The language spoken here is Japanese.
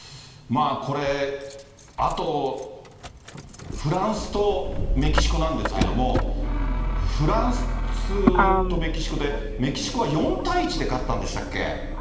これ、あとフランスとメキシコなんですけども、フランスとメキシコで、メキシコは４対１で勝ったんでしたっけ？